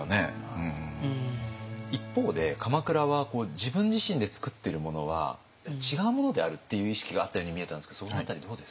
一方で鎌倉は自分自身で作ってるものは違うものであるっていう意識があったように見えたんですけどその辺りどうですか？